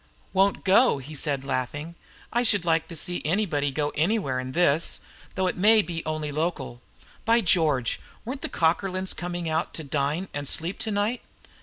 "Won't go?" he said, laughing. "I should like to see anybody go anywhere in this, though it may be only local. By George! Weren't the Cockerlynes coming out to dine and sleep to night?"